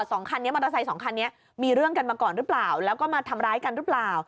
สองคันนี้มอเตอร์ไซค์สองคันนี้มีเรื่องกันมาก่อนหรือเปล่าแล้วก็มาทำร้ายกันหรือเปล่า